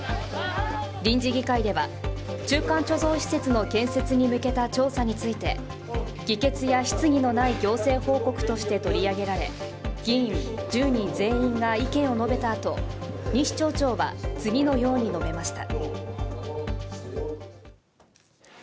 臨時議会では中間貯蔵施設の建設に向けた調査について議決や質疑のない行政報告として取り上げられ議員１０人全員が意見を述べたあと、西町長は次のように述べました。